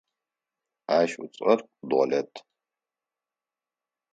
Ащ ыцӏэр Долэт.